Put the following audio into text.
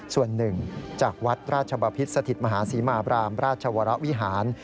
ส่วนหนึ่งจากวัดราชบพิษสถิตมหาศรีมาบรามราชวรวิหาร